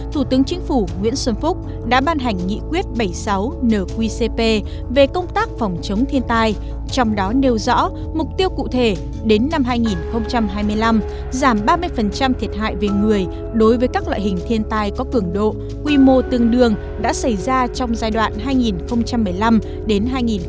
thủ tướng chính phủ nguyễn xuân phúc đã ban hành nghị quyết bảy mươi sáu nqcp về công tác phòng chống thiên tai trong đó nêu rõ mục tiêu cụ thể đến năm hai nghìn hai mươi năm giảm ba mươi thiệt hại về người đối với các loại hình thiên tai có cường độ quy mô tương đương đã xảy ra trong giai đoạn hai nghìn một mươi năm hai nghìn hai mươi